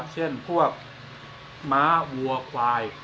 เช่นพวกม้าวัวควาย